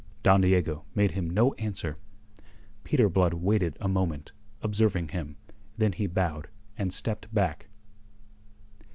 Don Diego made him no answer. Peter Blood waited a moment, observing him; then he bowed and stepped back.